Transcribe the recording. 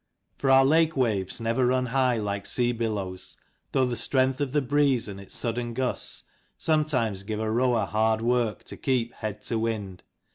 For our lake waves never run high like sea billows, though the strength of the breeze and its sudden gusts sometimes give a row r er hard work to keep head to wind.